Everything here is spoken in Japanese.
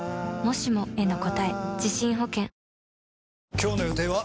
今日の予定は？